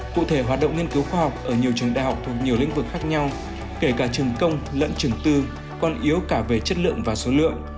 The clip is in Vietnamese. cụ thể hoạt động nghiên cứu khoa học ở nhiều trường đại học thuộc nhiều lĩnh vực khác nhau kể cả trường công lẫn trường tư còn yếu cả về chất lượng và số lượng